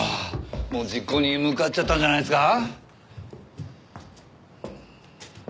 もう実行に向かっちゃったんじゃないですか？